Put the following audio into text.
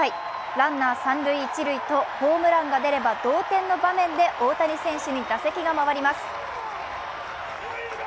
ランナー、三・一塁とホームランが出れば同点の場面で大谷選手に打席が回ります。